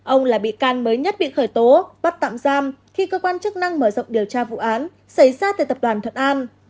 ông là bị can mới nhất bị khởi tố bắt tạm giam khi cơ quan chức năng mở rộng điều tra vụ án xảy ra tại tập đoàn thuận an